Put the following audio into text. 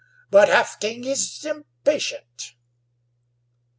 But Half King is impatient."